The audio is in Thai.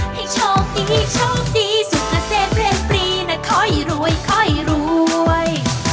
ให้โชคดีโชคดีสุขเกษตรเรียนฟรีนะค่อยรวยค่อยรวย